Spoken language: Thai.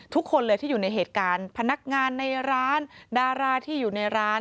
ทุกคนเลยที่อยู่ในเหตุการณ์พนักงานในร้านดาราที่อยู่ในร้าน